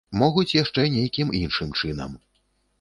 Могуць яшчэ нейкім іншым чынам.